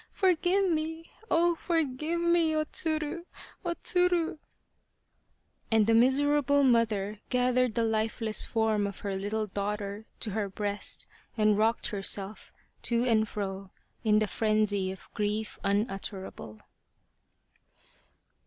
Forgive me, oh, forgive me ! O Tsuru, O Tsuru !" and the miserable mother gathered the lifeless form of her little daughter to her breast and rocked herself to and fro in the frenzy of grief unutterable.